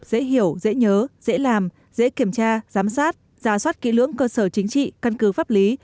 dễ hiểu dễ nhớ dễ làm dễ kiểm tra giám sát giả soát kỹ lưỡng cơ sở chính trị căn cứ pháp lý